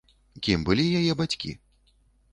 Кім былі яе бацькі?